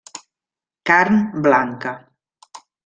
Carn blanca.